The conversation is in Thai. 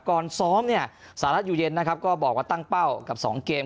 ก่อนซ้อมเนี่ยสหรัฐอยู่เย็นนะครับก็บอกว่าตั้งเป้ากับ๒เกม